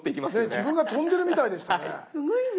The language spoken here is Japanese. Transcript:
自分が飛んでるみたいでしたね。